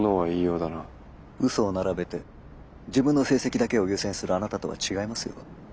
嘘を並べて自分の成績だけを優先するあなたとは違いますよ。